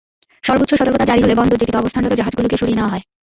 সর্বোচ্চ সতর্কতা জারি হলে বন্দর জেটিতে অবস্থানরত জাহাজগুলোকে সরিয়ে নেওয়া হয়।